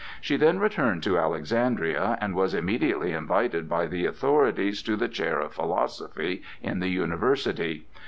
She then returned to Alexandria, and was immediately invited by the authorities to the chair of philosophy in the University.